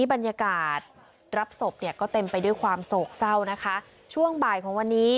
บรรยากาศรับศพเนี่ยก็เต็มไปด้วยความโศกเศร้านะคะช่วงบ่ายของวันนี้